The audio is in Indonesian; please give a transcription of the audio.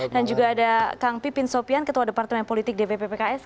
dan juga ada kang pipin sopian ketua departemen politik dpp pks